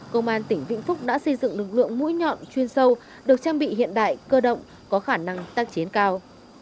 công an tỉnh vĩnh phúc đã xây dựng lực lượng mũi nhọn chuyên sâu được trang bị hiện đại cơ động có khả năng tác chiến cao